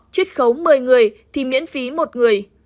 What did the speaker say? chích khấu một mươi người thì miễn phí một người